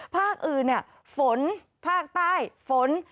ภาคอื่นฝนภาคใต้ฝน